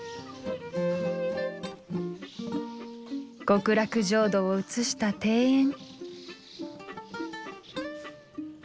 極楽浄土をうつした庭園。